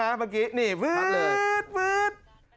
เมื่อกี้นี่ฟืด